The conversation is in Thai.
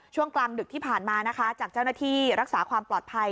ช่วงกลางดึกที่ผ่านมานะคะจากเจ้าหน้าที่รักษาความปลอดภัย